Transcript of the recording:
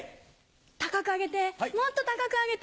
高く揚げてもっと高く揚げて。